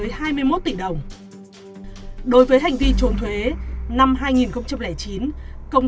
đối với hành vi trốn thuế năm hai nghìn chín công ty bnb thực hiện các lệnh quỷ thoát cho ngân hàng acb mua bán vàng trạng thái thù lãi được hơn một trăm linh tỷ đồng